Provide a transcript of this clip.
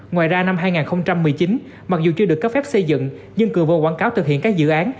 ngoài ra năm hai nghìn một mươi chín mặc dù chưa được cấp phép xây dựng nhưng cường vừa quảng cáo thực hiện các dự án